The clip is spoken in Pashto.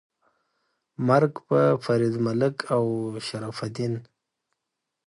مرګ په فرید ملک او شرف الدین. 🤨